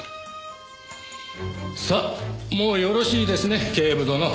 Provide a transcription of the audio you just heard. さあもうよろしいですね警部殿。